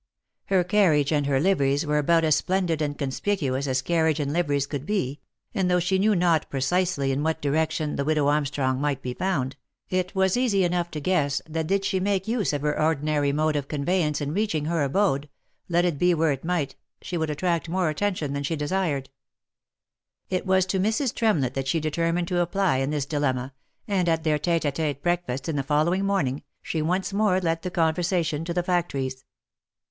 Her carriage and her liveries were about as splendid i 114 THE LIFE AND ADVENTURES and conspicuous as carriage and liveries could be, and though she knew not precisely in what direction the widow Armstrong might be found, it was easy enough to guess that did she make use of her ordinary mode of conveyance in reaching her abode, let it be where it might, she would attract more attention than she desired. It was to Mrs. Tremlett that she determined to apply in this di lemma, and at their tete a tete breakfast on the following morning, she once more led the conversation to the factories.